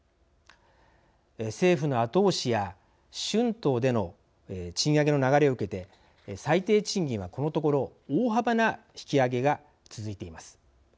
政府の後押しや春闘での賃上げの流れを受けて最低賃金は、このところ大幅な引き上げが続いています。